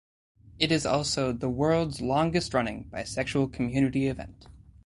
It is also the world's longest running bisexual community event.